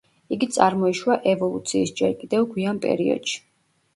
იგი წარმოიშვა ევოლუციის ჯერ კიდევ გვიან პერიოდში.